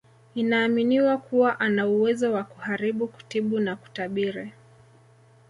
Inaaminiwa kuwa anauwezo wa kuharibu kutibu na kutabiri